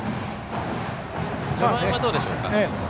序盤はどうでしょうか。